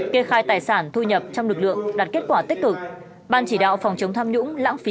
kê khai tài sản thu nhập trong lực lượng đạt kết quả tích cực ban chỉ đạo phòng chống tham nhũng lãng phí